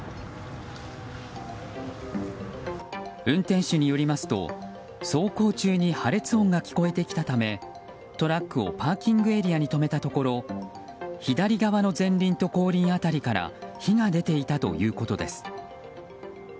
運転手によりますと、走行中に破裂音が聞こえてきたためトラックをパーキングエリアに止めたところ左側の前輪と後輪辺りから火が出ていたということです。